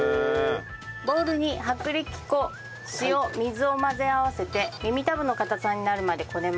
ボウルに薄力粉塩水を混ぜ合わせて耳たぶの硬さになるまでこねます。